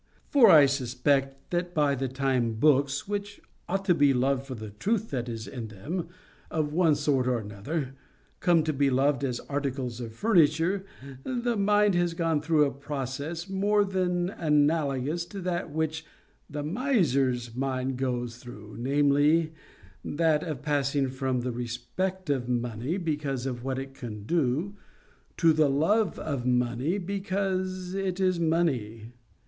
For I suspect that by the time books, which ought to be loved for the truth that is in them, of one sort or another, come to be loved as articles of furniture, the mind has gone through a process more than analogous to that which the miser's mind goes through—namely, that of passing from the respect of money because of what it can do, to the love of money because it is money.